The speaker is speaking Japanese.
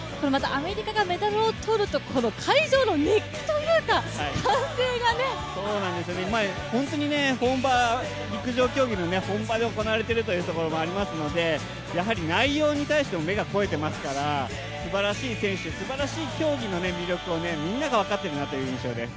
アメリカがメダルを取ると会場の熱気というか陸上競技の本場で行われているところもありますのでやはり内容に対しても目が肥えていますからすばらしい選手、すばらしい競技の魅力をみんなが分かっているという印象です。